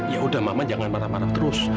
yaudah mama jangan marah marah terus